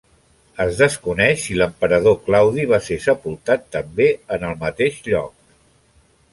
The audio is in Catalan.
Es desconeix si l'emperador Claudi va ser sepultat també en el mateix lloc.